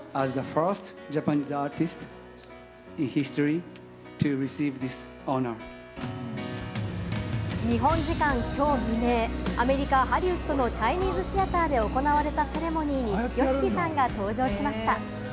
ＹＯ日本時間きょう未明、アメリカ・ハリウッドのチャイニーズ・シアターで行われたセレモニーにＹＯＳＨＩＫＩさんが登場しました。